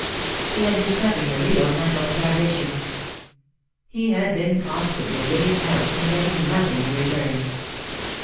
He had been suffering a real mental starvation. He had been constantly giving out and getting nothing in return.